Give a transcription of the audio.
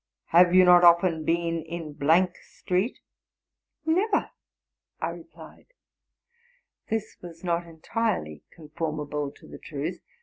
''—'* Haye you not often been in. .. street? ''—'' Never,' I re plied. This was not entirely conformable to the truth.